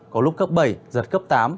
có lúc cấp bảy giật cấp tám